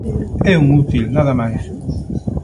É un útil, nada máis.